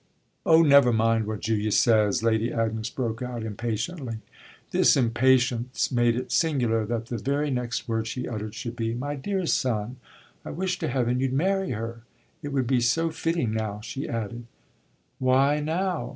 "Oh never mind what Julia says!" Lady Agnes broke out impatiently. This impatience made it singular that the very next word she uttered should be: "My dearest son, I wish to heaven you'd marry her. It would be so fitting now!" she added. "Why now?"